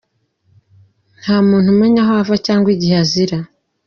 Nta muntu umenya aho ava cyangwa igihe azira.